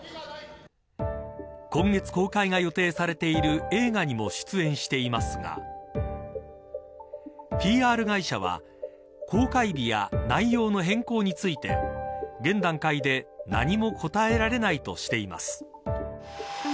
今月公開が予定されている映画にも出演していますがＰＲ会社は公開日や内容の変更について現段階で何も答えられないとしています。